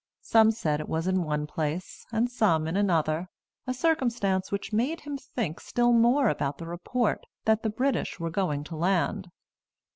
Some said it was in one place, and some in another, a circumstance which made him think still more about the report that the British were going to land.